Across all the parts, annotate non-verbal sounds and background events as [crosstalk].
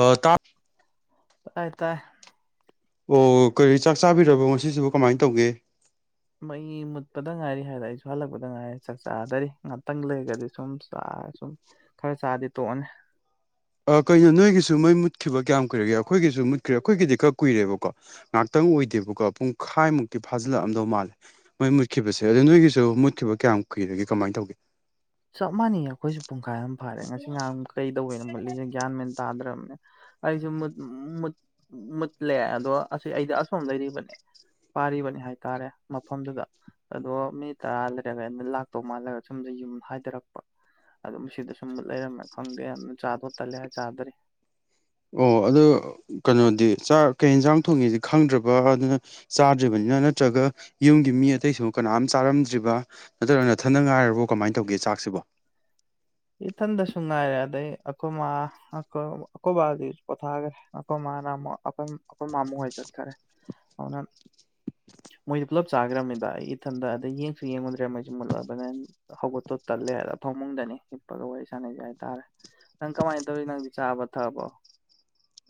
ꯑ ꯇꯥ ꯇꯥꯏ ꯇꯥꯏ ꯑꯣ ꯀꯔꯤ ꯆꯥꯛ ꯆꯥꯕꯤꯔꯕꯣ ꯉꯁꯤꯁꯤꯕꯨ ꯀꯃꯥꯏ ꯇꯧꯒꯦ ꯃꯩ ꯃꯨꯠꯄꯗ ꯉꯥꯏꯔꯤ ꯍꯥꯏꯔ ꯑꯩꯁꯨ ꯍꯜꯂꯛꯄꯗ ꯉꯥꯏꯔꯦ ꯆꯥꯛ ꯆꯥꯗꯔꯤ ꯉꯥꯇꯪ ꯂꯩꯔꯒꯗꯤ ꯁꯨꯝ ꯆꯥ ꯑ ꯁꯨꯝ ꯈꯔ ꯆꯥꯔꯗꯤ ꯇꯣꯑꯅꯤ [inaudible] ꯑ ꯀꯩꯅꯣ ꯅꯣꯏꯒꯤꯁꯨ ꯃꯩ ꯃꯨꯠꯈꯤꯕ ꯀꯌꯥꯝ ꯀꯨꯏꯔꯒꯦ ꯑꯈꯣꯏꯒꯤꯁꯨ ꯃꯨꯠꯈ꯭ꯔꯦ ꯑꯈꯣꯏꯒꯤꯗꯤ ꯈꯔ ꯀꯨꯏꯔꯦꯕꯀꯣ ꯉꯥꯛꯇ ꯑꯣꯏꯗꯦꯕꯀꯣ ꯄꯨꯡꯈꯥꯏꯃꯨꯛꯇꯤ ꯐꯥꯖꯤꯜꯂꯛꯑꯝꯗꯧ ꯃꯥꯜꯂꯦ ꯃꯩ ꯃꯨꯠꯈꯤꯕꯁꯦ ꯑꯗ ꯅꯣꯏꯒꯤꯁꯨ ꯃꯨꯠꯈꯤꯕ ꯀꯌꯥꯝ ꯀꯨꯏꯔꯒꯦ ꯀꯃꯥꯏ ꯇꯧꯒꯦ ꯆꯞ ꯃꯥꯟꯅꯩ ꯑꯈꯣꯏꯁꯨ ꯄꯨꯡꯈꯥꯏ ꯑꯃ ꯐꯥꯔꯦ ꯉꯁꯤ ꯉꯥꯔꯥꯡ ꯀꯩꯗꯧꯕꯩꯅꯣ ꯃꯨꯠꯂꯤꯖꯦ ꯒ꯭ꯌꯥꯟ ꯃꯦꯟ ꯇꯥꯗ꯭ꯔꯕꯅꯦ ꯑꯩꯁꯨ ꯃꯨꯠ ꯃꯨꯠ ꯃꯨꯠꯂꯦ ꯑꯗꯣ ꯑꯁꯤ ꯑꯩꯗꯤ ꯑꯁꯣꯝꯗꯩ [unintelligible] ꯄꯥꯔꯤꯕꯅꯦ ꯍꯥꯏꯇꯥꯔꯦ ꯃꯐꯝꯗꯨꯗ ꯑꯗꯣ ꯃꯤ ꯇꯔꯥ ꯂꯩꯔꯒ ꯑꯩꯅ ꯂꯥꯛꯇꯧ ꯃꯥꯜꯂꯒ ꯁꯨꯝꯗ ꯌꯨꯝ [unintelligible] ꯑꯗꯨꯝ ꯁꯤꯗ ꯁꯨꯝ ꯂꯩꯔꯝꯃꯦ ꯈꯪꯗꯦ ꯌꯥꯝ ꯆꯥꯗꯣ ꯇꯂꯦ ꯍꯥ ꯆꯥꯗꯔꯤ ꯑꯣ ꯑꯗꯣ ꯀꯩꯅꯣꯗꯤ ꯆꯥꯛ ꯀꯩ ꯍꯤꯟꯖꯥꯡ ꯊꯣꯡꯉꯤꯁꯤ ꯈꯪꯗ꯭ꯔꯕ ꯑꯗꯨꯅ ꯆꯥꯗ꯭ꯔꯤꯕꯅꯤ ꯅꯠꯇ꯭ꯔꯒ ꯌꯨꯝꯒꯤ ꯃꯤ ꯑꯇꯩꯁꯨ ꯀꯅꯥꯝ ꯆꯥꯔꯝꯗ꯭ꯔꯤꯕꯥ ꯅꯠꯇ꯭ꯔꯒ ꯅꯊꯟꯗ ꯉꯥꯏꯔꯕꯣ ꯀꯃꯥꯏ ꯇꯧꯒꯦ ꯆꯥꯛꯁꯤꯕꯣ ꯏꯊꯟꯗꯁꯨ ꯉꯥꯏꯔꯦ ꯑꯗꯩ ꯑꯈꯣ ꯃꯥ ꯑꯈꯣ ꯑꯈꯣꯕꯥꯗꯤ ꯄꯣꯊꯥꯒꯔꯦ ꯑꯈꯣ ꯃꯥ [unintelligible] ꯑꯈꯣ ꯑꯈꯣ ꯃꯥꯃꯨ ꯍꯣꯏ ꯆꯠꯈꯔꯦ [unintelligible] ꯃꯣꯏꯗꯤ ꯄꯨꯂꯞ ꯆꯥꯈ꯭ꯔꯕꯃꯤꯗ ꯑꯩ ꯏꯊꯟꯗ ꯑꯗꯩ ꯌꯦꯡꯁꯨ ꯌꯦꯡꯉꯨꯗ꯭ꯔꯦ ꯃꯩꯁꯨ ꯃꯨꯠꯂꯕꯅꯦꯟ ꯍꯧꯒꯠꯇꯣ ꯇꯜꯂꯦ [unintelligible] ꯐꯃꯨꯡꯗꯅꯤ [unintelligible] ꯋꯥꯔꯤ ꯁꯥꯅꯖꯤ ꯍꯥꯏꯇꯥꯔꯦ ꯅꯪ ꯀꯃꯥꯏ ꯇꯧꯔꯤ ꯅꯪꯗꯤ ꯆꯥꯔꯕ ꯊꯛꯑꯕꯣ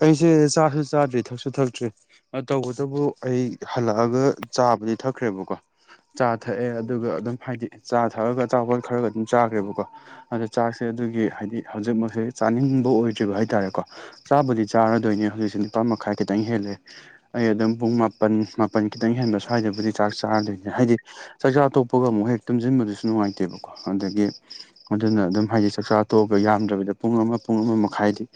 ꯑꯩꯁꯦ ꯆꯥꯁꯨ ꯆꯥꯗ꯭ꯔꯤ ꯊꯛꯁꯨ ꯊꯛꯇ꯭ꯔꯤ ꯑ ꯇꯧꯕꯇꯕꯨ ꯑꯩ ꯍꯜꯂꯛꯑꯒ ꯆꯥ [unintelligible] ꯊꯛꯈ꯭ꯔꯦꯕꯀꯣ ꯆꯥ ꯊꯛꯑꯦ ꯑꯗꯨꯒ ꯑꯗꯨꯝ ꯍꯥꯏꯗꯤ ꯆꯥ ꯊꯛꯑꯒ ꯑꯆꯥꯄꯣꯠ ꯈꯔꯒ ꯑꯗꯨꯝ ꯆꯥꯈ꯭ꯔꯦꯕꯀꯣ ꯑꯗꯣ ꯆꯥꯛꯁꯦ ꯑꯗꯨꯒꯤ ꯍꯥꯏꯗꯤ ꯍꯧꯖꯤꯛꯃꯛꯁꯦ ꯆꯥꯅꯤꯡꯕ ꯑꯣꯏꯗ꯭ꯔꯤꯕ ꯍꯥꯏꯇꯥꯔꯦꯀꯣ ꯆꯥꯕꯨꯗꯤ ꯆꯥꯔꯗꯣꯏꯅꯦ ꯍꯧꯖꯤꯛꯁꯨ ꯅꯤꯄꯥꯟ ꯃꯈꯥꯏ ꯈꯤꯇꯪ ꯍꯦꯜꯂꯦ ꯑꯩ ꯑꯗꯨꯝ ꯄꯨꯡ ꯃꯥꯄꯟ ꯃꯥꯄꯟ ꯈꯤꯇꯪ ꯍꯦꯟ ꯁ꯭ꯋꯥꯏꯗꯕꯨꯗꯤ ꯆꯥꯛ ꯆꯥꯔꯗꯨꯏꯅꯦ ꯍꯥꯏꯗꯤ ꯆꯥꯛꯆꯥ ꯇꯣꯛꯄꯒ ꯑꯃꯨꯛ ꯍꯦꯛ ꯇꯨꯝꯖꯤꯟꯕꯗꯨꯁꯨ ꯅꯨꯡꯉꯥꯏꯇꯦꯕꯀꯣ ꯑꯗꯒꯤ ꯑꯗꯨꯅ ꯑꯗꯨꯝ ꯍꯥꯏꯗꯤ ꯆꯥꯛꯆꯥ ꯇꯣꯛꯑꯕ ꯌꯥꯝꯗ꯭ꯔꯕꯗ ꯄꯨꯡ ꯑꯃ ꯄꯨꯡ ꯑꯃ ꯃꯈꯥꯏꯗꯤ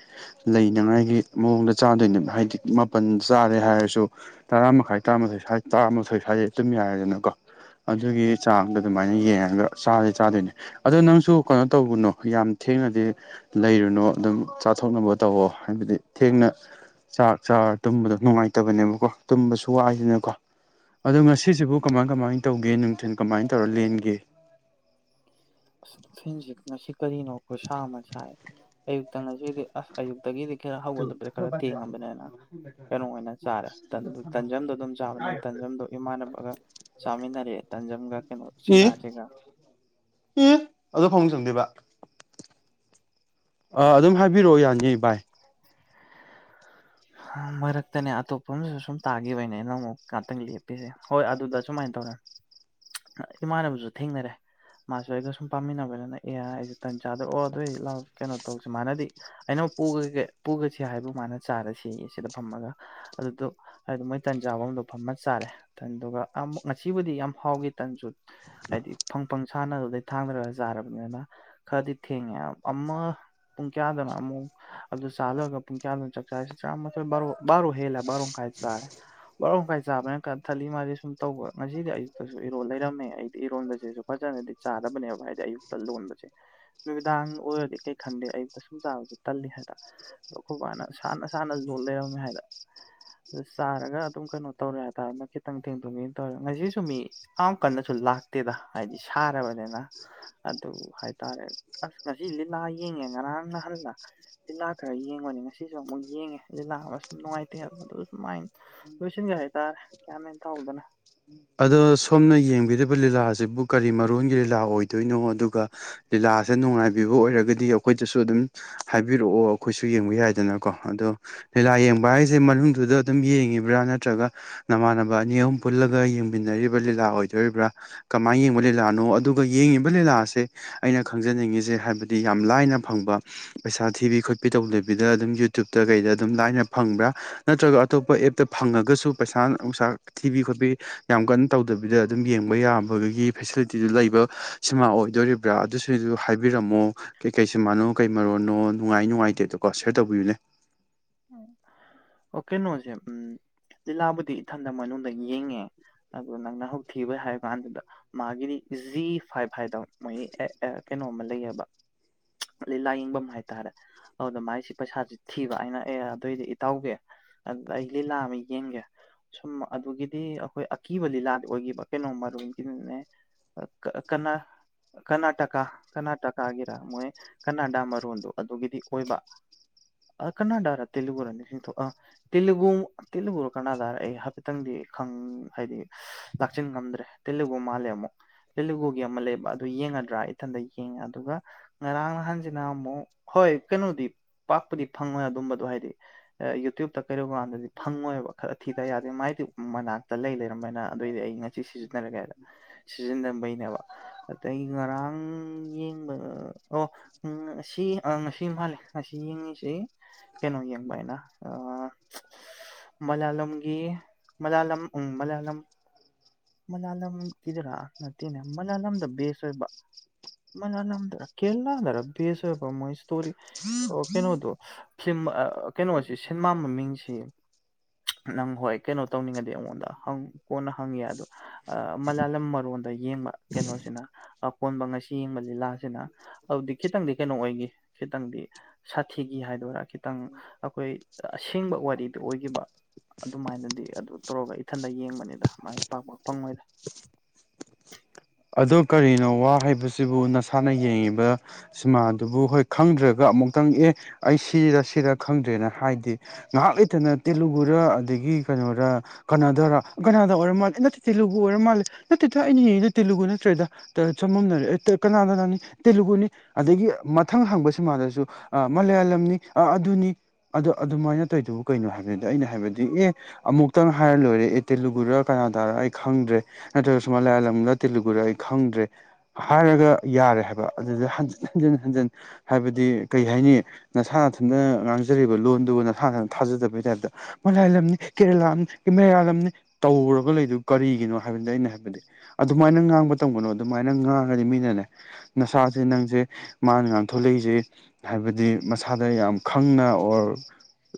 ꯂꯩ [unintelligible] ꯃꯑꯣꯡꯗ ꯆꯥꯗꯨꯏꯅꯦꯕ ꯍꯥꯏꯗꯤ ꯃꯥꯄꯟ ꯆꯥꯔꯦ ꯍꯥꯏꯔꯁꯨ ꯇꯔꯥ ꯃꯈꯥꯏ ꯇꯔꯥꯃꯥꯊꯣꯏ ꯁ꯭ꯋꯥꯏ ꯇꯔꯥꯃꯥꯊꯣꯏ ꯁꯋꯥꯏ ꯇꯨꯝ ꯌꯥꯔꯦꯗꯅꯀꯣ꯫ ꯑꯗꯨꯒꯤ ꯆꯥꯡꯗꯣ ꯗꯨꯃꯥꯏꯅ ꯌꯦꯉꯒ ꯆꯥꯗꯤ ꯆꯥꯗꯣꯏꯅꯦ ꯑꯗꯣ ꯅꯪꯁꯨ ꯀꯩꯅꯣ ꯇꯧꯕꯅꯣ ꯌꯥꯝ ꯊꯤ ꯊꯦꯡꯅꯗꯤ ꯂꯩꯔꯨꯅꯨ ꯑꯗꯨꯝ ꯆꯥꯊꯣꯛꯅꯕ ꯇꯧꯋꯣ ꯍꯥꯏꯕꯗꯤ ꯊꯦꯡꯅ ꯆꯥꯛ ꯆꯥꯔ ꯇꯨꯝꯕꯗꯣ ꯅꯨꯡꯉꯥꯏꯇꯕꯅꯦꯕꯀꯣ ꯇꯨꯝꯕꯁꯨ ꯋꯥꯏꯗꯅꯀꯣ ꯑꯗꯣ ꯉꯁꯤꯁꯤꯕꯨ ꯀꯃꯥꯏ ꯀꯃꯥꯏ ꯇꯧꯒꯦ ꯅꯨꯡꯊꯤꯟ ꯀꯃꯥꯏ ꯇꯧꯔ ꯂꯦꯟꯒꯦ? ꯑꯁ ꯐꯤꯟꯖꯤ ꯉꯁꯤ ꯀꯔꯤꯅꯣ ꯈꯨꯁꯥ ꯑꯃ ꯁꯥꯏ ꯑꯌꯨꯛꯇ ꯉꯁꯤꯗꯤ ꯑꯁ ꯑꯌꯨꯛꯇꯒꯤꯗꯤ ꯈꯔ ꯍꯧꯒꯠꯂꯕꯗ ꯈꯔ ꯊꯦꯡꯉꯕꯅꯦꯅ ꯀꯩꯅꯣ ꯑꯣꯏꯅ ꯆꯥꯔꯦ ꯇꯟꯗꯨ ꯇꯟꯖꯝꯗꯣ ꯑꯗꯨꯝ ꯆꯥꯕꯅꯦꯅ ꯇꯥꯟꯖꯝꯗꯣ ꯏꯃꯥꯟꯅꯕꯒ ꯆꯥꯃꯤꯟꯅꯔꯦ ꯇꯥꯟꯖꯝꯒ ꯀꯩꯅꯣ ꯁꯤꯡꯍꯥꯔꯁꯤꯒ ꯏ ꯑꯗꯣ ꯐꯃꯨꯡ ꯆꯪꯗꯦꯕ ꯑ ꯑꯗꯨꯝ ꯍꯥꯏꯕꯤꯔꯛꯑꯣ ꯌꯥꯅꯤ ꯕꯥꯏ ꯍꯥ ꯃꯔꯛꯇꯅꯦ ꯑꯇꯣꯞꯄ ꯑꯃꯁꯨ ꯁꯨꯝ ꯇꯥꯒꯤꯕꯩꯅꯦ ꯅꯪ ꯃꯨꯛ ꯉꯥꯇꯪ ꯂꯦꯞꯄꯤꯁꯦ ꯍꯣꯏ ꯑꯗꯨꯗ ꯁꯨꯃꯥꯏꯅ [unintelligible] ꯏꯃꯥꯟꯅꯕꯁꯨ ꯊꯦꯡꯅꯔꯦ ꯃꯥꯁꯨ ꯑꯩꯒ ꯁꯨꯝ ꯄꯥꯃꯤꯟꯅꯕꯅꯤꯅ ꯑꯦꯌꯥ ꯑꯩꯖꯦ ꯇꯟ ꯆꯥꯗ ꯑꯣ ꯑꯗꯨ ꯑꯣꯏꯗꯤ ꯂꯥ ꯀꯩꯅꯣ ꯇꯧꯁꯦ ꯃꯥꯅꯗꯤ ꯑꯩꯅ ꯄꯨꯒꯒꯦ ꯄꯨꯒꯁꯤ ꯍꯥꯏꯕ ꯃꯥꯅ ꯆꯥꯔꯁꯤ [unintelligible] ꯁꯤꯗ ꯐꯝꯃꯒ ꯑꯗꯨꯗꯨ ꯍꯥꯏꯗꯤ ꯃꯣꯏ ꯇꯟꯖꯥꯃꯗꯣ ꯐꯝꯃ ꯆꯥꯔꯦ ꯑꯃꯨꯛ ꯉꯁꯤ ꯁꯤꯕꯨꯗꯤ ꯌꯥꯝ ꯍꯥꯎꯒꯤ ꯇꯟꯖꯨ ꯍꯥꯏꯗꯤ ꯐꯪꯄꯪ ꯁꯥꯟꯅꯗꯨꯗꯩ ꯊꯥꯡꯗꯔꯒ ꯆꯥꯔꯕꯅꯤꯅ ꯈꯔꯗꯤ ꯊꯦꯡꯉꯦ ꯑꯃ ꯄꯨꯡ ꯀꯌꯥꯗꯪꯅ ꯑꯃꯨꯛ ꯑꯗꯨ ꯆꯥꯂꯣꯏꯔꯒ ꯄꯨꯡ ꯀꯌꯥꯗꯣ ꯆꯥꯛ ꯆꯁꯤ ꯆꯥ ꯊꯔꯣ ꯕꯔꯣ ꯍꯦꯂꯕꯔꯣꯡ ꯈꯥꯏ ꯆꯥꯏ ꯕꯥꯔ ꯈꯥꯏ ꯆꯥꯕꯅ ꯀ ꯊꯜꯂꯤ ꯃꯥꯜꯂꯤ ꯁꯨꯝ ꯇꯧꯕ ꯉꯁꯤꯗꯤ ꯑꯌꯨꯛꯇꯁꯨ ꯏꯔꯣꯜ ꯂꯩꯔꯝꯃꯦ ꯑꯩꯗꯤ ꯏꯔꯣꯟꯕꯁꯤꯁꯨ ꯐꯖꯅꯗꯤ ꯆꯥꯗ ꯆꯠꯇꯕꯅꯦꯕ ꯍꯥꯏꯗꯤ ꯑꯌꯨꯛꯇ ꯂꯣꯟꯕꯁꯦ ꯅꯨꯃꯤꯗꯥꯡ ꯑꯣꯏꯔꯗꯤ ꯀꯩ ꯈꯟꯗꯦ ꯑꯌꯨꯛꯇ ꯁꯨꯝ ꯆꯥꯕꯁꯦ ꯇꯜꯂꯤ ꯍꯥꯏꯗ ꯈꯨ ꯍꯅ ꯁꯥꯟꯅ ꯁꯥꯟꯅ ꯂꯩꯔꯝꯃꯦ ꯍꯥꯏꯔ ꯑꯗꯨ ꯆꯥꯔꯒ ꯑꯗꯨꯝ ꯀꯩꯅꯣ ꯇꯧꯔꯦ ꯍꯥꯏꯇꯥꯔꯅ ꯈꯤꯇꯪ ꯊꯦꯡꯗꯣꯛꯉꯅ ꯇꯧꯔꯦ ꯉꯁꯤꯁꯨ ꯃꯤ ꯑ ꯀꯟꯅ ꯁꯨꯝ ꯂꯥꯛꯇꯦꯗ ꯍꯥꯏꯗꯤ ꯁꯥꯔꯕꯅꯤꯅ ꯑꯗꯨ ꯍꯥꯏꯇꯥꯔꯦ ꯑꯁ ꯉꯁꯤ ꯂꯤꯂꯥ ꯌꯦꯡꯉꯦ ꯉꯔꯥꯡ ꯅꯍꯜꯂ ꯂꯤꯤꯜꯂꯥ ꯈꯔ ꯌꯦꯡꯕꯅꯤ ꯉꯁꯤꯁꯨ ꯑꯃꯨꯛ ꯌꯦꯡꯉꯦ ꯑ ꯂꯥꯛꯑꯒ ꯁꯨꯝ ꯅꯨꯡꯉꯥꯏꯇꯦ ꯍꯥꯏꯕ ꯑꯗꯨ ꯁꯨꯝ ꯃꯥꯏꯟ ꯂꯣꯏꯁꯤꯟꯒꯦ ꯍꯥꯏꯇꯥꯔꯦ ꯀ ꯍꯅ ꯇꯧꯗꯅ ꯑꯗꯣ ꯁꯣꯝꯅ ꯌꯦꯡꯕꯤꯔꯤꯕ ꯂꯤꯂꯥ ꯑꯁꯤꯕꯨ ꯀꯔꯤ ꯃꯔꯣꯟꯒꯤ ꯂꯤꯂꯥ ꯑꯣꯏꯗꯣꯏꯅꯣ ꯑꯗꯨꯒ ꯂꯤꯂꯥ ꯀꯥꯁꯦ ꯅꯨꯡꯉꯥꯏꯕꯤꯕ ꯑꯣꯏꯔꯒꯗꯤ ꯑꯩꯈꯣꯏꯗꯁꯨ ꯑꯗꯨꯝ ꯍꯥꯏꯕꯤꯔꯛꯑꯣ ꯑꯩꯈꯣꯏꯁꯨ ꯌꯦꯡꯕ ꯌꯥꯏꯗꯅꯀꯣ ꯑꯗꯣ ꯂꯤꯂꯥ ꯌꯦꯡꯕ ꯍꯥꯏꯁꯦ ꯃꯅꯨꯡꯗꯨꯗ ꯑꯗꯨꯝ ꯌꯦꯡꯉꯤꯕ꯭ꯔꯥ ꯅꯠꯇ꯭ꯔꯒ ꯅꯃꯥꯟꯅꯕ ꯑꯅꯤ ꯑꯍꯨꯝ ꯄꯨꯜꯂꯒ ꯌꯦꯡꯃꯤꯟꯅꯔꯤꯕ ꯂꯤꯂꯥ ꯑꯣꯏꯗꯣꯔꯤꯕ꯭ꯔꯥ ꯀꯃꯥꯏꯅ ꯌꯦꯡꯕ ꯂꯤꯂꯥꯅꯣ ꯑꯗꯨꯒ ꯌꯦꯡꯉꯤꯕ ꯂꯤꯂꯥ ꯑꯥꯁꯦ ꯑꯩꯅ ꯈꯪꯖꯅꯤꯡꯉꯤꯁꯦ ꯍꯥꯏꯕꯗꯤ ꯌꯥꯝ ꯂꯥꯏꯅ ꯐꯪꯕ ꯄꯩꯁꯥ ꯊꯤꯕꯤ ꯈꯣꯠꯄꯤ ꯇꯧꯗꯕꯤꯗ ꯑꯗꯨꯝ ꯌꯨꯇꯌꯨꯕꯇ ꯀꯩꯗ ꯑꯗꯨꯝ ꯂꯥꯏꯅ ꯐꯪꯕ꯭ꯔꯥ ꯅꯠꯇ꯭ꯔꯒ ꯑꯇꯣꯞꯄ ꯑꯦꯞꯇ ꯐꯪꯉꯒꯁꯨ ꯄꯩꯁꯥ ꯅꯨꯡꯁꯥ ꯊꯤꯕꯤ ꯈꯣꯠꯄꯤ ꯌꯥꯝ ꯀꯟꯅ ꯇꯧꯗꯕꯤꯗ ꯑꯗꯨꯝ ꯌꯦꯡꯕ ꯌꯥꯕꯒꯤ ꯐꯦꯁꯤꯂꯤꯇꯤꯗꯨ ꯂꯩꯕ ꯁꯤꯃ ꯑꯣꯏꯗꯣꯔꯤꯕ꯭ꯔꯥ ꯑꯗꯨ ꯁꯤꯁꯨ ꯍꯥꯏꯕꯤꯔꯝꯃꯣ ꯀꯩꯀꯩ ꯁꯤꯃꯥꯟꯅꯣ ꯀꯩ ꯃꯔꯣꯟꯅꯣ ꯅꯨꯡꯉꯥꯏ ꯅꯨꯡꯉꯥꯏꯇꯦ ꯑꯗꯨꯗ ꯀꯣ ꯁꯤꯌꯔ ꯇꯧꯕꯤꯌꯨꯅꯦ ꯑꯣ ꯀꯩꯅꯣꯁꯦ ꯎꯝ ꯂꯤꯖꯤꯂꯥꯕꯨꯗꯤ ꯏꯊꯟꯗ ꯃꯅꯨꯡꯗ ꯌꯦꯡꯉꯦ ꯑ ꯅꯪꯅ ꯍꯧ ꯊꯤꯕ ꯍꯥꯏꯔ ꯀꯥꯟꯗꯨꯗ ꯃꯥꯒꯤꯗꯤ ꯖꯤ ꯐꯥꯏꯚ ꯍꯥꯏꯗ ꯃꯣꯏꯒꯤ ꯀꯩꯅꯣꯝ ꯑꯃ ꯂꯩꯌꯦꯕ ꯂꯥꯏꯌꯦꯡꯐꯝ ꯍꯥꯏꯇꯥꯔꯦ ꯑꯗꯨꯗ ꯃꯥꯏꯁꯤ ꯄꯩꯁꯥꯁꯤ ꯊꯤꯕ ꯍꯥꯏꯅ ꯑꯦ ꯑꯗꯨꯑꯣꯏꯗꯤ ꯏꯇꯧꯒꯦ ꯑꯗꯨ ꯑꯩ ꯂꯤꯂꯥ ꯑꯃ ꯌꯦꯡꯒꯦ ꯁꯨꯝ ꯑꯗꯨꯒꯤꯗꯤ ꯑꯩꯈꯣꯏ ꯑꯀꯤꯕ ꯂꯤꯂꯥꯗ ꯑꯣꯏꯈꯤꯕ ꯀꯩꯅꯣ ꯃꯔꯨꯝꯒꯤꯗꯨꯅꯦ ꯀ ꯀꯅꯥ ꯀꯔꯅꯥꯇꯀꯥ ꯀꯔꯅꯥꯇꯀꯥꯒꯤꯔ ꯃꯣꯏ ꯀꯅꯥꯗꯥ ꯃꯔꯣꯟꯗꯣ ꯑꯗꯨꯒꯤꯗꯤ ꯑꯣꯏꯕ ꯑ ꯀꯅꯥꯗ ꯇꯦꯂꯒꯨꯔ ꯅꯤꯡꯁꯤꯡ ꯇꯦꯂꯒꯨ ꯇꯦꯂꯨꯒꯨꯔ ꯀꯅꯥꯗꯥꯔ ꯑꯩ ꯍꯥꯏꯐꯦꯠꯇꯪꯗꯤ ꯈꯪ ꯍꯥꯏꯗꯤ ꯂꯥꯛꯁꯤꯟ ꯉꯝꯗ꯭ꯔꯦ ꯇꯤꯂꯕ ꯃꯥꯜꯂꯦ ꯑꯃꯨꯛ ꯂꯤꯂꯨꯒꯨꯒꯤ ꯑꯃ ꯂꯩꯕ ꯑꯗꯨ ꯌꯦꯡꯉꯗ꯭ꯔꯥ ꯏꯊꯟꯗ ꯌꯦꯡꯉꯦ ꯑꯗꯨꯒ ꯉꯔꯥꯡ ꯅꯍꯥꯟꯁꯤꯅ ꯑꯃꯨꯛ ꯍꯣꯏ ꯀꯩꯅꯣꯗꯤ ꯄꯥꯛꯄꯗꯤ ꯐꯪꯉꯣꯏ ꯑꯗꯨꯝꯕ ꯑꯣ ꯍꯥꯏꯗꯤ ꯌꯨꯇ꯭ꯌꯨꯕꯇ ꯀꯩꯗꯧ ꯀꯥꯟꯗꯗꯤ ꯐꯪꯉꯣꯏꯕ ꯈꯔ ꯊꯤꯗ ꯌꯥꯗꯦ ꯃꯥꯏꯗꯤ ꯃꯅꯥꯛꯇ ꯂꯩꯔꯝ ꯑꯗꯨꯃꯥꯏꯅ ꯑꯗꯨꯑꯣꯏꯗꯤ ꯑꯩ ꯉꯁꯤ ꯁꯤꯖꯤꯟꯅꯔꯒꯦ ꯍꯥꯏꯗ ꯁꯤꯖꯤꯟꯅꯝꯕꯩꯅꯦꯕ ꯑꯩ ꯉꯔꯥꯡ ꯌꯦꯡꯕ ꯑꯣ ꯎ ꯁꯤ ꯉꯁꯤ ꯃꯥꯜꯂꯦ ꯉꯁꯤ ꯌꯦꯡꯉꯤꯁꯤ ꯀꯩꯅꯣ ꯌꯦꯡꯕ ꯍꯥꯏꯅ ꯃꯂꯥꯂꯝꯒꯤ ꯃꯂꯥꯂꯝ ꯎ ꯃꯂꯥꯂꯝ ꯃꯂꯥꯂꯝꯒꯤꯗꯔꯥ ꯅꯠꯇꯦꯅꯦ ꯃꯂꯥꯂꯝꯗ ꯕꯦꯁ ꯑꯣꯏꯕ ꯃꯅ ꯊꯔ ꯀꯦꯔꯂꯔꯁ ꯃꯣꯏ ꯏꯁꯇꯣꯔꯤ ꯑꯣ ꯀꯩꯅꯣ ꯇ ꯐꯤꯂꯝ ꯀꯩꯅꯣꯁꯤ ꯁꯤꯅꯦꯃꯥ ꯃꯃꯤꯡꯁꯤ ꯅꯪ ꯍꯣꯏ ꯀꯩꯅꯣ ꯇꯧꯅꯤꯡꯉꯗꯤ ꯑꯩꯉꯣꯟꯗꯪ ꯀꯣꯟꯅ ꯍꯪꯉꯤ ꯑꯗꯣ ꯃꯂꯥꯂꯝ ꯃꯔꯣꯟ ꯑꯗ ꯌꯦꯡꯕ ꯀꯩꯅꯣꯁꯤꯅ ꯑꯀꯣꯟꯕ ꯉꯁꯤ ꯌꯦꯡꯕ ꯂꯤꯂꯥꯁꯤꯅ ꯑꯗꯨꯗꯤ ꯈꯤꯇꯪꯗꯤ ꯀꯩꯅꯣ ꯑꯣꯏꯈꯤ ꯈꯤꯇꯪꯗꯤ ꯁꯥꯊꯤꯒꯤ ꯍꯥꯏꯗꯣꯏꯔꯥꯒ ꯈꯤꯇꯪ ꯑꯩꯈꯣꯏ ꯑꯁꯦꯡꯕ ꯋꯥꯔꯤꯗꯨ ꯑꯣꯏꯈꯤꯕ ꯑꯗꯨꯃꯥꯏꯅꯗꯤ ꯑꯗꯨ ꯇꯧꯔꯒ ꯏꯊꯟꯗ ꯌꯦꯡꯕꯅꯤꯗ ꯃꯥꯏ ꯄꯥꯛ ꯄꯥꯛ ꯐꯪꯉꯣꯏꯗ [unintelligible] ꯑꯗꯣ ꯀꯔꯤꯅꯣ ꯋꯥ ꯍꯥꯏꯕꯁꯤꯕꯨ ꯅꯁꯥꯅ ꯌꯦꯡꯉꯤꯕ ꯁꯤꯃꯥꯗꯨꯕꯨ ꯍꯣꯏ ꯈꯪꯗ꯭ꯔꯒ ꯑꯃꯨꯛ ꯑꯃꯥꯛꯇꯪ ꯑꯦ ꯑꯩ ꯁꯤꯔ ꯁꯤꯔ ꯈꯪꯗ꯭ꯔꯦꯅ ꯍꯥꯏꯗꯤꯦ ꯉꯥꯏꯍꯥꯛ ꯂꯩꯇꯅ ꯇꯦꯂꯨꯒꯗ ꯑꯗꯒꯤ ꯀꯩꯅꯔꯥ ꯀꯅꯥꯗꯔꯥ ꯀꯅꯥꯗꯥ ꯑꯣꯏꯔ ꯃꯥꯜꯂꯦ ꯅꯠꯇꯦ ꯇꯦꯂꯨꯒꯨ ꯑꯣꯏꯔ ꯃꯥꯜꯂꯦ ꯅꯠꯇꯗ ꯑꯩꯅ ꯇꯦꯂꯨꯒꯨ ꯅꯠꯇ꯭ꯔꯦꯗ ꯆꯃꯝꯅꯔꯦ ꯀꯅꯥꯗꯅꯥꯅꯤ ꯇꯦꯂꯨꯒꯨꯅꯤ ꯑꯗꯒꯤ ꯃꯊꯪ ꯍꯪꯕꯁꯤꯃ ꯃꯂꯌꯥꯂꯝꯅꯤ ꯑꯗꯨꯅꯤ ꯑꯗꯣ ꯑꯗꯨꯃꯥꯏꯅ ꯇꯧꯔꯤꯗꯨꯕꯨ ꯀꯩꯅꯣ ꯍꯥꯏꯕꯗꯨꯗꯤ ꯑꯩꯅ ꯍꯥꯏꯕꯗꯤ ꯑꯦ ꯑꯃꯨꯛꯇꯪ ꯍꯥꯏꯔ ꯂꯣꯏꯔꯦ ꯑꯦ ꯇꯦꯂꯨꯒꯨꯔ ꯀ ꯑꯩ ꯈꯪꯗ꯭ꯔꯦ ꯅꯠꯇ꯭ꯔꯒꯁꯨ ꯃꯂꯌꯥꯜꯗ ꯇꯦꯂꯨꯒꯨꯗ ꯑꯩ ꯈꯪꯗ꯭ꯔꯦ ꯍꯥꯏꯔꯒ ꯌꯥꯔꯦ ꯍꯥꯏꯕ ꯑꯗꯨꯗ ꯍꯟꯖꯤꯟ ꯍꯟꯖꯤꯟ ꯍꯟꯖꯤꯟ ꯍꯥꯏꯕꯗꯤ ꯀꯩ ꯍꯥꯏꯅꯤ ꯅꯁꯥ ꯊꯟꯗ ꯉꯥꯡꯖ ꯂꯣꯟꯗꯨꯕꯨ ꯅꯁꯥ ꯊꯥꯖꯗꯕ ꯇ ꯀꯦꯔꯂꯥ ꯃꯌꯥꯂꯝꯅꯤ ꯇꯧꯔꯒ ꯂꯩꯗꯨ ꯀꯔꯤꯒꯤꯅꯣ ꯍꯥꯏꯕꯗ ꯑꯩꯅ ꯍꯥꯏꯕꯗꯤ ꯑꯗꯨꯃꯥꯏꯅ ꯉꯥꯡꯕ ꯇꯧꯒꯅꯣ ꯑꯗꯨꯃꯥꯏꯅ ꯉꯥꯡꯉꯗꯤ ꯃꯤꯅꯅꯦ ꯅꯁꯥꯁꯦ ꯅꯪꯁꯦ ꯃꯥꯅ ꯉꯥꯡꯊꯂꯛꯏ ꯑꯩꯁꯦ ꯍꯥꯏꯕꯗꯤ ꯃꯁꯥꯗ ꯌꯥꯝ ꯈꯪꯅ ꯑꯣꯔ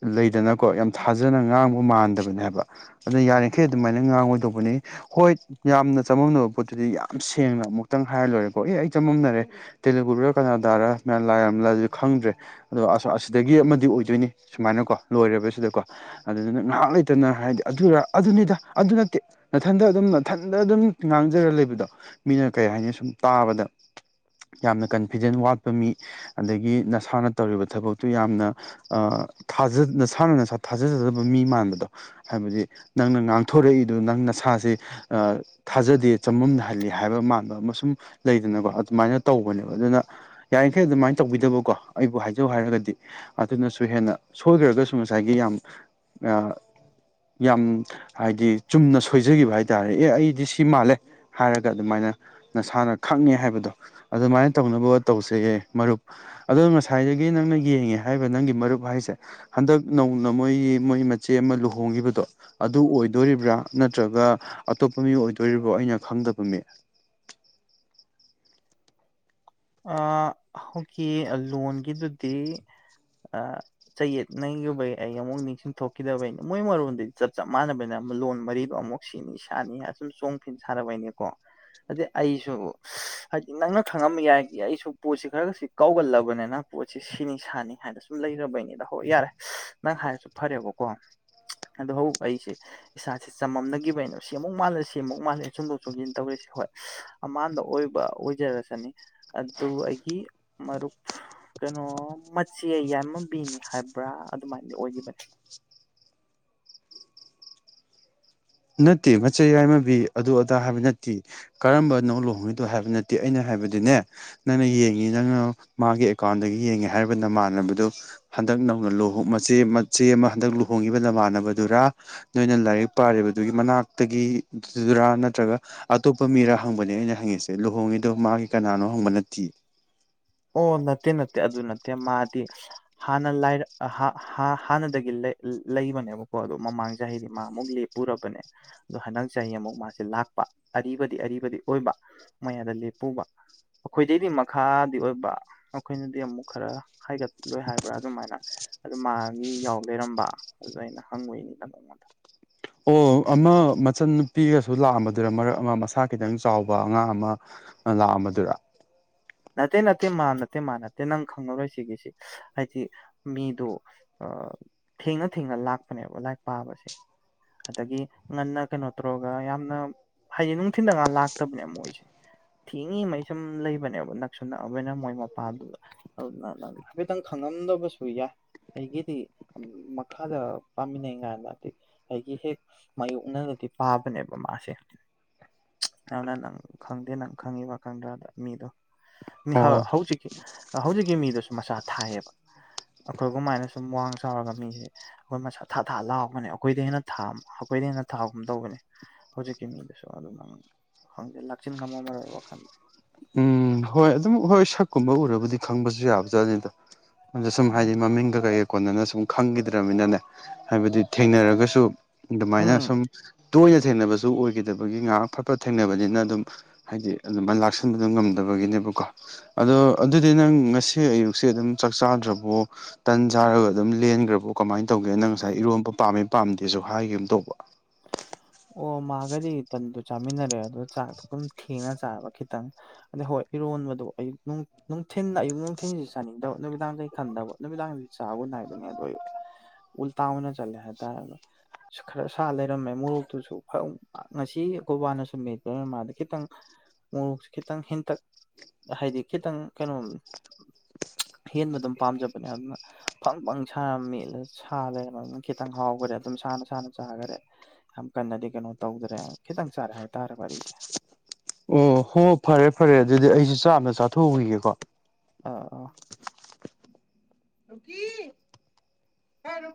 ꯂꯩꯗꯅꯀꯣ ꯌꯥꯝ ꯊꯥꯖꯅ ꯉꯥꯡꯕ ꯃꯥꯟꯗꯕꯅꯦ ꯍꯥꯏꯕ ꯑꯗꯨꯅ ꯌꯥꯔꯤꯈꯩ ꯑꯗꯨꯃꯥꯏꯅ ꯉꯥꯡꯉꯣꯏꯗꯧꯕꯅꯤ ꯍꯣꯏ ꯌꯥꯝꯅ ꯆꯃꯝꯅꯕ ꯄꯣꯠꯇꯨꯗꯤ ꯌꯥꯝ ꯁꯦꯡꯅ ꯑꯃꯨꯛꯇꯪ ꯍꯥꯏꯔ ꯂꯣꯏꯔꯦꯀꯣ ꯑꯦ ꯑꯩ ꯆꯃꯝꯅꯔꯦ ꯇꯦꯂꯨꯒꯨꯔ ꯀꯅꯥꯗꯥꯔ ꯃꯌꯥꯝ ꯂꯥꯏꯔ ꯂꯥꯏ ꯈꯪꯗ꯭ꯔꯦ ꯑꯗꯣ ꯑꯁ ꯑꯁꯤꯗꯒꯤ ꯑꯃꯗꯤ ꯑꯣꯏꯗꯣꯏꯅꯤ ꯁꯨꯃꯥꯏꯅꯀꯣ ꯂꯣꯏꯦ ꯁꯤꯗꯀꯣ ꯑꯗꯨꯗꯨꯅ ꯉꯥꯏꯍꯥꯛ ꯂꯩꯇꯅ ꯍꯥꯏꯗꯤ ꯑꯗꯨꯔ ꯑꯗꯨꯅꯤꯗ ꯑꯗꯨ ꯅꯠꯇꯦ ꯅꯥꯊꯟꯗ ꯑꯗꯨꯝ ꯅꯥꯊꯟꯗ ꯑꯗꯨꯝ ꯉꯥꯡꯖꯔꯒ ꯂꯩꯕꯗꯣ ꯃꯤꯅ ꯀꯩ ꯍꯥꯏꯅꯤ ꯁꯨꯝ ꯇꯥꯕꯗ ꯌꯥꯝꯅ ꯀꯟꯐꯤꯗꯦꯟ ꯋꯥꯠꯄ ꯃꯤ ꯑꯗꯒꯤ ꯅꯁꯥꯅ ꯇꯧꯔꯤꯕ ꯊꯕꯛꯇꯨ ꯌꯥꯝꯅ ꯅꯁꯥꯅ ꯅꯁꯥ ꯊꯥꯖꯖꯗꯕ ꯃꯤ ꯃꯥꯟꯕꯗꯣ ꯍꯥꯏꯕꯗꯤ ꯅꯪꯅ ꯉꯥꯡꯊꯣꯔꯛꯏꯗꯨꯣ ꯅꯪꯅ ꯅꯁꯥꯁꯦ ꯊꯥꯖꯗꯦ ꯆꯃꯝꯅꯍꯜꯂꯤ ꯍꯥꯏꯕ ꯃꯥꯟꯕ ꯑꯃ ꯁꯨꯝ ꯂꯩꯗꯅꯀꯣ ꯑꯗꯨꯃꯥꯏꯅ ꯇꯧꯕꯅꯦꯕ ꯑꯗꯨꯅ ꯌꯥ ꯌꯥꯡꯈꯩ ꯑꯗꯨꯃꯥꯏꯅ ꯇꯧꯕꯤꯗꯕꯀꯣ ꯑꯩꯕꯨ ꯍꯥꯏꯖꯧ ꯍꯥꯏꯔꯒꯗꯤ ꯑꯗꯨꯅꯁꯨ ꯍꯦꯟꯅ ꯁꯣꯏꯈ꯭ꯔꯒꯁꯨ ꯉꯁꯥꯏꯒꯤ ꯌꯥꯝ ꯌꯥꯝ ꯍꯥꯏꯗꯤ ꯆꯨꯝꯅ ꯁꯣꯏꯖꯒꯤꯈꯤꯕ ꯍꯥꯏꯇꯥꯔꯦ ꯑꯦ ꯑꯩꯗꯤ ꯁꯤ ꯃꯥꯜꯂꯦ ꯍꯥꯏꯔꯒ ꯑꯗꯨꯃꯥꯏꯅ ꯅꯁꯥꯅ ꯈꯪꯉꯦ ꯍꯥꯏꯕꯗꯣ ꯑꯗꯨꯃꯥꯏꯅ ꯇꯧꯅꯕ ꯇꯧꯁꯌꯦ ꯃꯔꯨꯞ ꯑꯣ ꯉꯁꯥꯏꯗꯒꯤ ꯅꯪꯅ ꯌꯦꯡꯉꯦ ꯍꯥꯏꯔꯤꯕ ꯅꯪꯒꯤ ꯃꯔꯨꯞ ꯍꯥꯏꯁꯦ ꯍꯟꯗꯛ ꯅꯧꯅ ꯃꯣꯏꯒꯤ ꯃꯣꯏ ꯃꯆꯦ ꯑꯃ ꯑ ꯆꯣꯏꯔꯤꯕꯣ ꯑꯩꯅ ꯈꯪꯗꯕ ꯃꯤ ꯑ ꯑꯩꯈꯣꯏꯒꯤ ꯂꯣꯟꯒꯤꯗꯨꯗꯤ ꯆꯌꯦꯠꯅꯒꯤꯕꯩ ꯑꯩ ꯑꯃꯨꯛ ꯅꯤꯡꯁꯤꯡ ꯊꯣꯛꯈꯤꯗꯕꯩꯅ ꯃꯣꯏ ꯃꯔꯣꯟꯗꯗꯤ ꯆꯞ ꯆꯞ ꯃꯥꯟꯅꯕꯩꯅ ꯑꯃꯨ ꯂꯣꯟ ꯃꯔꯤꯗꯣ ꯑꯃꯨꯛ ꯁꯤꯅꯤ ꯁꯥꯅꯤ ꯑꯗꯨꯨꯝ ꯆꯣꯡꯐꯤꯟ ꯁꯥꯅꯕꯩꯅꯤꯀꯣ ꯑꯗꯩ ꯑꯩꯁꯨ ꯍꯥꯏꯗꯤ ꯅꯪꯅ ꯈꯪꯉꯝꯕ ꯌꯥꯏ ꯑꯩꯁꯨ ꯄꯣꯠꯁꯤ ꯈꯔ ꯈꯁꯤ ꯀꯥꯎꯒꯜꯂꯕꯅꯤꯅ ꯄꯣꯠꯁꯤ ꯁꯤꯅꯤ ꯁꯥꯅꯤ ꯍꯥꯏꯅ ꯁꯨꯝ ꯂꯩꯔꯕꯩꯅꯤꯗ ꯍꯣꯏ ꯌꯥꯔꯦ ꯅꯪ ꯍꯥꯏꯔꯁꯨ ꯐꯔꯦꯕꯀꯣ ꯑꯗꯣ ꯍꯧꯖꯤ ꯑꯩꯁꯦ ꯏꯁꯥꯁꯦ ꯆꯃꯝꯅꯈꯤꯕ ꯑꯩꯅꯣ ꯁꯦꯝꯃꯨꯛ ꯃꯥꯜꯂꯦ ꯁꯦꯝꯃꯨꯛ ꯃꯥꯜꯂꯦ ꯆꯣꯡꯗꯣꯛ ꯆꯣꯡꯁꯤꯟ ꯇꯧꯋ ꯍꯣꯏ ꯑꯃꯥꯟꯕꯗ ꯑꯣꯏꯕ ꯑꯣꯏꯖꯔꯁꯅꯤ ꯑꯗꯨ ꯑꯩꯒꯤ ꯃꯔꯨꯞ ꯀꯩꯅꯣ ꯃꯆꯦ ꯌꯥꯝꯏꯃꯝꯕꯤꯅꯤ ꯍꯥꯏꯕ꯭ꯔꯥ ꯑꯗꯨꯃꯥꯏꯅꯗꯤ ꯑꯣꯏꯈꯤꯕꯅꯤ [unintelligible] ꯅꯠꯇꯦ ꯃꯆꯩ ꯌꯥꯏꯃꯕꯤ ꯑꯗꯨ ꯑꯗꯥ ꯍꯥꯏꯕ ꯅꯠꯇꯦ ꯀꯔꯝꯕꯅꯧ ꯂꯨꯍꯉꯩꯗꯣ ꯍꯥꯏꯕ ꯅꯠꯇꯦ ꯑꯩꯅ ꯍꯥꯏ ꯍꯥꯏꯕꯗꯨꯅꯦ ꯅꯪꯅ ꯌꯦꯡꯉꯤ ꯅꯪꯅ ꯃꯥꯒꯤ ꯑꯦꯀꯥꯎꯟ ꯌꯦꯡꯉꯦ ꯍꯥꯏꯔꯕ ꯅ ꯃꯥꯟꯅꯕꯗꯨ ꯍꯟ ꯍꯟꯗꯛ ꯅꯧꯅ ꯂꯨꯍ ꯃꯆꯦ ꯃꯆꯦ ꯑꯃ ꯍꯟꯗꯛ ꯂꯨꯍꯣꯡꯉꯤꯕ ꯅꯃꯥꯟꯅꯕꯗꯨꯔ ꯅꯣꯏꯅ ꯂꯥꯏꯔꯤꯛ ꯄꯥꯔꯤꯕ ꯑꯗꯨꯒꯤ ꯃꯅꯥꯛꯇꯒꯤꯗꯨꯔꯥ ꯅꯠꯇ꯭ꯔꯒ ꯑꯇꯣꯞꯄ ꯃꯤꯔꯥ ꯍꯪꯕꯅꯦ ꯑꯩꯅ ꯍꯪꯉꯤꯁꯦ ꯂꯨꯍꯣꯡꯉꯤꯗꯣ ꯃꯥ ꯃꯥꯒꯤ ꯀꯅꯥꯅꯣ ꯍꯪꯕ ꯅꯠꯇꯦ ꯑꯣ ꯅꯠꯇꯦ ꯅꯠꯇꯦ ꯑꯗꯨ ꯅꯠꯇꯦ ꯃꯥꯗꯤ ꯍꯥꯟꯅ ꯂ ꯍꯥꯟꯅꯗꯒꯤ ꯂꯩꯕꯅꯦꯕꯀꯣ ꯑꯣ ꯃꯃꯥꯡ ꯆꯍꯤꯗꯤ ꯃꯥ ꯑꯃꯨꯛ ꯂꯦꯞꯄꯨꯔꯕꯅꯦ ꯑꯗꯣ ꯍꯟꯗꯛ ꯆꯍꯤ ꯑꯃꯨꯛ ꯃꯥꯁꯦ ꯂꯥꯛ ꯂꯄ ꯑꯔꯤꯕꯗꯤ ꯑꯔꯤꯕꯗꯤ ꯑꯣꯏꯕ ꯃꯌꯥꯗ ꯂꯦꯞꯄꯨꯕ ꯑꯩꯈꯣꯏꯗꯩꯗꯤ ꯃꯈꯥꯗꯤ ꯑꯩꯈꯣꯏꯅꯗꯤ ꯑꯃꯨ ꯈꯔ ꯍꯥꯏꯒꯠꯂꯣꯏ ꯍꯥꯏꯕ꯭ꯔꯥ ꯑꯗꯨꯃꯥꯏꯅ ꯑꯗꯨ ꯃꯥꯒꯤ ꯌꯥꯎ ꯂꯩꯔꯝꯕ ꯑꯗꯨ ꯑꯩꯅ ꯍꯪꯉꯏꯅꯤ ꯅꯉꯗ ꯑꯣ ꯑꯃ ꯃꯆꯟꯅꯨꯄꯤꯒꯁꯨ ꯂꯥꯛꯑꯝꯕꯗꯨꯅ ꯃꯔꯛ ꯑꯃ ꯃꯁꯥ ꯈꯤꯇꯪ ꯆꯥꯎꯕ ꯑꯉꯥꯡ ꯑꯃ ꯂꯥꯛꯑꯝꯕꯗꯨꯔ ꯅꯠꯇꯦ ꯅꯠꯇꯦ ꯃꯥ ꯅꯠꯇꯦ ꯃꯥ ꯅꯠꯇꯦ ꯅꯪ ꯈꯪꯅꯔꯣꯏ ꯁꯤꯒꯤꯁꯤ ꯍꯥꯏꯗꯤ ꯃꯤꯗꯣ ꯊꯦꯡꯅ ꯊꯦꯡꯅ ꯂꯥꯛꯄꯅꯦꯕ ꯂꯥꯏꯔꯤꯛ ꯄꯥꯕꯁꯦ ꯑꯗꯒꯤ ꯉꯟꯅ ꯀꯩꯅꯣ ꯇꯧꯔꯒ ꯌꯥꯝꯅ ꯍꯥꯏꯗꯤ ꯅꯨꯡꯊꯤꯟꯗ ꯉ ꯂꯥꯛꯇꯕꯅꯦ ꯃꯣꯏꯁꯦ ꯊꯦꯡꯉꯤꯉꯩ ꯁꯨꯝ ꯂꯩꯕꯅꯦꯕ ꯅꯛꯁꯨ ꯅꯛꯑꯕꯅꯤꯅ ꯃꯣꯏ ꯃꯄꯥꯗꯨꯗ ꯑꯗꯨ ꯍꯥꯏꯐꯦꯠꯇꯪ ꯈꯪꯉꯝꯗꯕꯁꯨ ꯌꯥꯏ ꯑꯩꯒꯤꯗꯤ ꯃꯈꯥꯗ ꯄꯥꯝꯃꯤꯟꯅꯩ ꯀꯥꯏꯅ ꯍꯥꯏꯗꯤ ꯑꯩꯒꯤ ꯍꯦꯛ ꯃꯌꯣꯛꯅ ꯄꯥꯕꯅꯦꯕ ꯃꯥꯁꯦ [inaudible] ꯑꯗꯨꯅ ꯅꯪ ꯈꯪꯗꯦ ꯅꯪ ꯈꯪꯉꯤꯕ ꯈꯪꯗ꯭ꯔꯗ ꯃꯤꯗꯣ ꯑꯣ ꯍꯧꯖꯤꯛꯀꯤ ꯍꯧꯖꯤꯛꯀꯤ ꯃꯤꯗꯨꯁꯨ ꯃꯆꯥꯥ ꯊꯥꯏꯌꯦꯕ ꯑꯩꯈꯣꯏꯒꯃꯥꯏꯅ ꯁꯨꯝ ꯋꯥꯡ ꯆꯥꯎꯔꯒ ꯃꯤꯁꯦ ꯑꯩꯈꯣꯏ ꯃꯁꯥ ꯊꯥ ꯊꯥ ꯂꯥꯎꯒꯅꯦ ꯑꯩꯈꯣꯏꯗ ꯍꯦꯟꯅ ꯊꯥ ꯑꯩꯈꯣꯏꯅ ꯍꯦꯟꯅ ꯊꯥꯒꯨꯝ ꯇꯧꯕꯅꯤ ꯍꯧꯖꯤꯛ ꯀ ꯃꯤꯕꯁꯨꯣ ꯑꯗꯨꯖ ꯂ ꯀꯃ ꯑꯃ ꯑꯣꯏ ꯋꯥ ꯈ ꯎꯝ ꯍꯣꯏ ꯑꯗꯨꯝ ꯍꯣꯏ ꯁꯛꯀꯨꯝꯕ ꯎꯔꯕꯨꯗꯤ ꯈꯪꯕꯁꯨ ꯌꯥꯕꯖꯥꯠꯅꯤ ꯑꯗꯣ ꯑꯗ ꯁꯨꯝ ꯍꯥꯏꯗꯤ ꯃꯃꯤꯡꯒ ꯀꯩ ꯀꯣꯟꯅꯅ ꯁꯨꯝ ꯈꯪꯈꯤꯗ꯭ꯔꯅꯤꯅꯅꯦ ꯍꯥꯏꯕꯗꯤ ꯊꯦꯡꯅꯔꯒꯁꯨ ꯑꯗꯨꯃꯥꯏꯅ ꯎꯝ ꯁꯨꯝ ꯇꯣꯏꯅ ꯊꯦꯡꯅꯕꯁꯨ ꯑꯣꯏꯈꯤꯗꯕꯒꯤ ꯉꯥꯏꯍꯥꯛ ꯐꯠꯄ ꯊꯦꯡꯅꯕꯅꯤꯅ ꯑꯗꯨꯝ ꯍꯥꯏꯗꯤ ꯑꯗꯨꯃꯥꯏꯅ ꯂꯥꯛꯁꯟꯕꯗꯨ ꯉꯝꯗꯕꯒꯤꯅꯦꯕ ꯀ ꯑꯗꯣ ꯑꯗꯨꯗꯤ ꯅꯪ ꯉꯁꯤ ꯑꯌꯨꯛꯁꯦ ꯑꯗꯨꯝ ꯆꯥꯛ ꯆꯥꯗ꯭ꯔꯕꯣ ꯇꯟ ꯆꯥꯔꯒ ꯑꯗꯨꯝ ꯂꯦꯟꯈ꯭ꯔꯕꯣ ꯀꯃꯥꯏꯅ ꯇ ꯇꯧꯒꯦ ꯅꯪ ꯉꯁꯥꯏ ꯏꯔꯣꯟꯕ ꯄꯥꯝꯃꯦ ꯄꯥꯝꯗꯦꯁꯨ ꯍꯥꯏꯒꯦ ꯑꯃ ꯇꯧꯕ ꯑꯣ ꯃꯥꯒꯗꯤ ꯇꯟꯗꯨ ꯆꯥꯃꯤꯟꯅꯔꯦ ꯑꯗꯨ ꯆꯥꯛꯇꯣ ꯑꯗꯨꯝ ꯊꯦꯡꯅ ꯆ ꯈꯤꯇꯪ ꯑꯗꯩ ꯍꯣꯏ ꯏꯔꯣꯟꯕꯗ ꯑꯌꯨꯛ ꯅꯨꯡꯊꯤ ꯑꯌꯨꯛ ꯅꯨꯡꯊꯤꯟꯁꯤ ꯆꯥꯅꯤꯡꯗꯕ ꯅꯨꯃꯤꯗꯥꯡ ꯈꯟꯗꯕ ꯅꯨꯃꯤꯗꯥꯡꯗꯗꯤ ꯆꯥꯒ ꯅꯥꯏꯕꯅꯦ ꯑꯗꯨ ꯑꯣꯏꯕ ꯎꯜꯇꯥꯥꯎꯅ ꯆꯂꯦ ꯍꯥꯏꯇꯥ ꯈꯔ ꯁꯥ ꯂꯩꯔꯝꯃꯦ ꯃ ꯑꯗꯨꯁꯨ ꯉꯁꯤ ꯒꯣꯕꯥꯅꯁꯨ ꯃ ꯃꯥꯗ ꯈꯤꯇꯪ ꯃꯣꯔꯣꯛꯁꯦ ꯈꯤꯇꯪ ꯍꯦꯟꯇꯛ ꯍꯥꯏꯗꯤ ꯈꯤꯇꯪ ꯀꯩꯅꯣꯝ ꯍꯦꯟꯕ ꯑꯗꯨꯝ ꯄꯥꯝꯖꯕꯅꯦ ꯑꯗꯨꯅ ꯐꯪ ꯐꯪ ꯁꯥꯔꯝꯃꯤꯂ ꯁꯥ ꯂꯩꯔꯅꯤꯅ ꯈꯤꯇꯪ ꯍꯥꯎꯒꯅꯤ ꯑꯗꯨꯝ ꯁꯅ ꯁꯅ ꯆꯈꯔꯦ ꯌꯥꯝ ꯀꯟꯅꯗꯤ ꯀꯩꯅꯣ ꯇꯧꯗ꯭ꯔꯦ ꯈꯤꯇꯪ ꯆꯥꯔꯦ ꯍꯥꯏꯇꯥꯔꯦ ꯋꯥꯔꯤꯁꯦ ꯑꯣ ꯍꯣ ꯐꯔꯦ ꯐꯔꯦ ꯑꯗꯨꯗꯤ ꯑꯩꯁꯨꯦ ꯆꯥꯝꯅ ꯆꯥꯊꯣꯛꯎꯈꯤꯒꯦꯀꯣ ꯑ ꯑ ꯔꯨ ꯀ ꯔꯨ